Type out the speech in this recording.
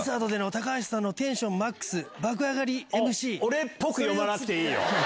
急に⁉俺っぽく読まなくていいよ！